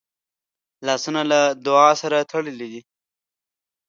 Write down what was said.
لاسونه له دعا سره تړلي دي